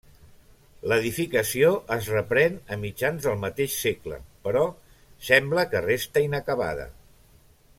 L'edificació es reprèn a mitjans del mateix segle però sembla que resta inacabada.